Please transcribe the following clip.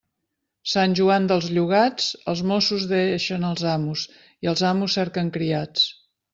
Sant Joan dels llogats, els mossos deixen els amos i els amos cerquen criats.